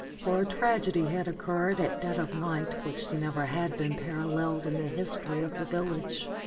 For a tragedy had occurred at dead of night which never had been paralleled in the history of the village.